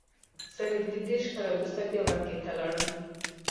زه نږدې دېرش کاله وروسته بیا مکې ته لاړم.